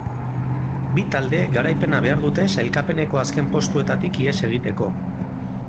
Bi taldeek garaipena behar dute sailkapeneko azken postuetatik ihes egiteko.